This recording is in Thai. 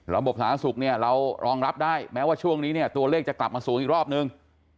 ระบบสาธารณสุขเรารองรับได้แม้ว่าช่วงนี้ตัวเลขจะกลับมาสูงอีกรอบนึง